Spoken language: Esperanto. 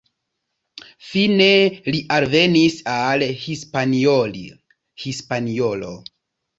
Fine li alvenis al Hispaniolo.